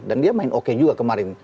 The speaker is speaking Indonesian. dan dia main oke juga kemarin